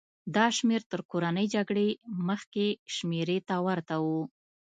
دا شمېر تر کورنۍ جګړې مخکې شمېرې ته ورته و.